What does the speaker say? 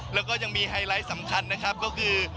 แล้วก็ยังมีไฮไลท์สำคัญนะครับก็คือ